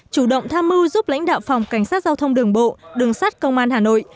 chủ động tham mưu giúp lãnh đạo phòng cảnh sát giao thông đường bộ đường sát công an hà nội